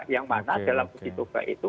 yang mana dalam uji coba itu